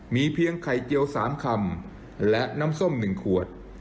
มีเพียงไข่เจียว๓คำและน้ำส้ม๑ขวด